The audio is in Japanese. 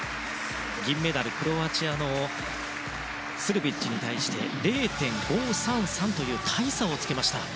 銀メダル、クロアチアのスルビッチに対して０．５３３という大差をつけました。